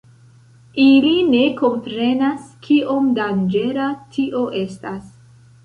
Ili ne komprenas kiom danĝera tio estas.